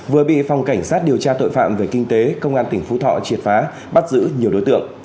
vừa bị phòng cảnh sát điều tra tội phạm về kinh tế công an tỉnh phú thọ triệt phá bắt giữ nhiều đối tượng